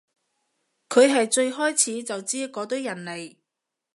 佢係最開始就知嗰堆人嚟